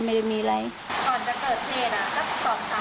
ก่อนจะเกิดเชษนะจะสองสามวันก็ไม่ได้ร้านกันมาก่อนนะ